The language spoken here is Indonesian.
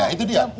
nah itu dia